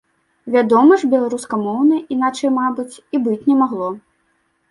Вядома ж, беларускамоўны, іначай, мабыць, і быць не магло.